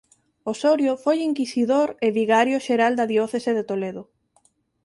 Osorio foi inquisidor e vigairo xeral da diocese de Toledo.